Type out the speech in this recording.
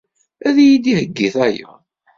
Ad iyi-d-iheyyi tayeḍ.